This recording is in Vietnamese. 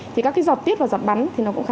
thì các cái giọt tiết và giọt bắn thì nó cũng khá